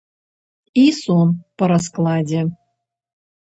І сон па раскладзе.